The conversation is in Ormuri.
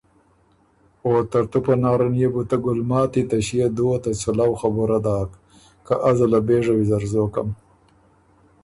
او ترتُو پناره ن يې بو ته ګلماتی ته ݭيې دُوه ته څلؤ خبُره داک۔ که ازه له پېژه ویزر زوکم۔